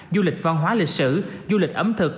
du lịch văn hóa lịch sử du lịch ẩm thực